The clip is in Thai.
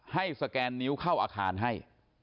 สแกนนิ้วเข้าอาคารให้